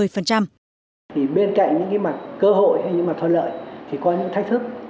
bên cạnh những mặt cơ hội hay những mặt thuận lợi thì có những thách thức